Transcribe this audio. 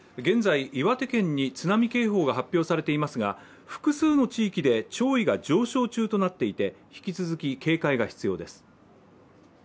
現在、岩手県に津波警報が発表されていますが複数の地域で潮位が上昇中となっていて引き続き警戒が必要です。